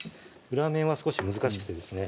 裏面は少し難しくてですね